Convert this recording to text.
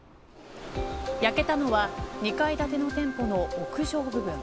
焼けたのは２階建ての店舗の屋上部分。